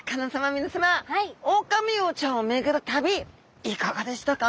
皆さまオオカミウオちゃんを巡る旅いかがでしたか？